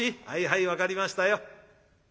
はいはい分かりましたよ。